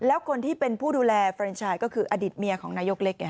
แล้วคนที่เป็นผู้ดูแลเฟรนชายก็คืออดีตเมียของนายกเล็กไง